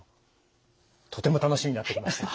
とても楽しみになってきました。